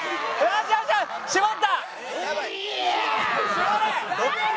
絞れ！